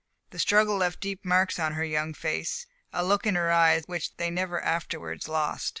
The struggle left deep marks on her young face, a look in her eyes which they never afterwards lost.